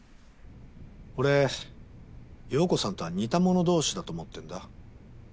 俺陽子さんとは似た者同士だと思ってんだ。